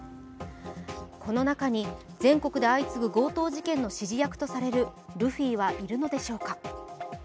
この中に全国で相次ぐ強盗事件の指示役とされるルフィはいるのでしょうか。